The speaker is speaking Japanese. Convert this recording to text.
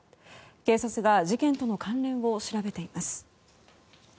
警察が事件との関連を調べています。